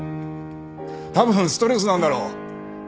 たぶんストレスなんだろう。